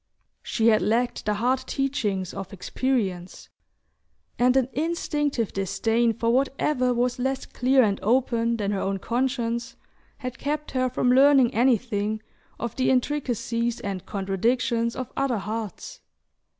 She had lacked the hard teachings of experience, and an instinctive disdain for whatever was less clear and open than her own conscience had kept her from learning anything of the intricacies and contradictions of other hearts.